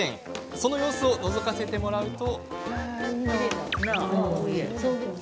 その様子をのぞかせてもらうと。